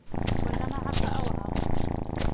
وجمع فأوعى